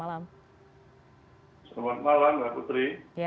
selamat malam mbak putri